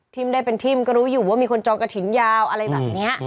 ได้เป็นทิ่มก็รู้อยู่ว่ามีคนจองกระถิ่นยาวอะไรแบบนี้